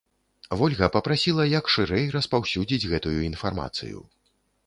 Вольга папрасіла як шырэй распаўсюдзіць гэтую інфармацыю.